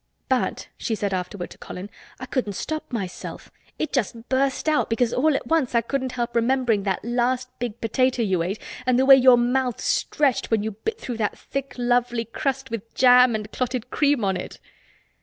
"But," she said afterward to Colin, "I couldn't stop myself. It just burst out because all at once I couldn't help remembering that last big potato you ate and the way your mouth stretched when you bit through that thick lovely crust with jam and clotted cream on it."